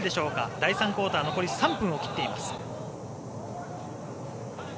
第３クオーター残り３分を切っています。